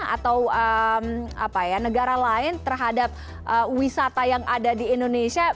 atau negara lain terhadap wisata yang ada di indonesia